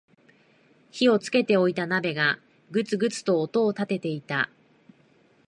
火をつけておいた鍋がグツグツと音を立てていた